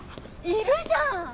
いるじゃん！